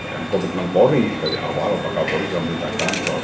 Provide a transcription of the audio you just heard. dan komitmen polri dari awal pakal polri sudah memberitakan